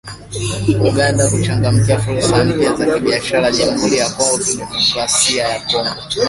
Uganda kuchangamkia fursa mpya za kibiashara Jamhuri ya Kidemokrasia ya Congo